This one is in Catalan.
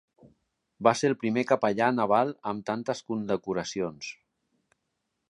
Va ser el primer capellà naval amb tantes condecoracions.